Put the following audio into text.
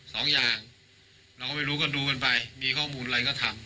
สองอย่างเราก็ไม่รู้ก็ดูกันไปมีข้อมูลอะไรก็ทำ